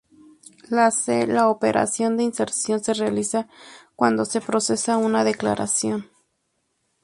En C la operación de inserción se realiza cuando se procesa una declaración.